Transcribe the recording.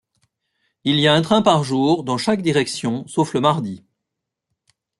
Il y un train par jour dans chaque direction, sauf le mardi.